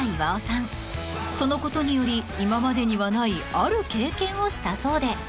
［そのことにより今までにはないある経験をしたそうで］